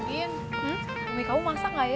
in mie kamu masak gak ya